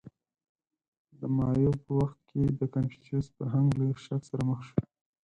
• د مایو په وخت کې د کنفوسیوس فرهنګ له شک سره مخ شو.